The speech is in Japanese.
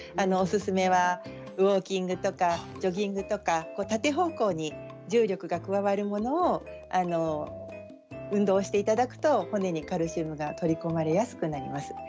おすすめはウォーキングですとかジョギングとか縦方向に重力が加わるものが運動していただくと骨にカルシウムがとり込まれやすくなります。